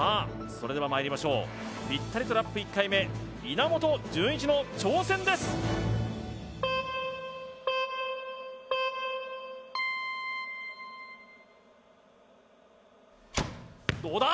それではまいりましょうぴったりトラップ１回目稲本潤一の挑戦ですどうだ？